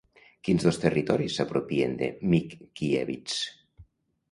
Quins dos territoris s'apropien de Mickiewicz?